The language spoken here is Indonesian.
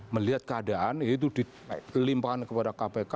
melihat keadaan itu dikelimpahan kepada kpk